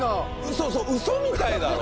そうそうウソみたいだろ？